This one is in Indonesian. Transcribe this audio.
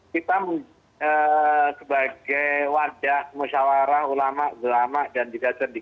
kita sebagai wadah musyawarah ulama ulama gelama dan juga cerdik